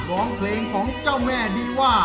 ร้องเพลงของเจ้าแม่ดีว่า